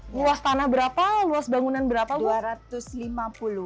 luas tanah berapa luas bangunan berapa bu